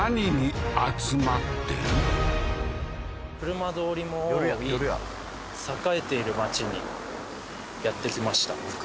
車通りも多い栄えている街にやって来ました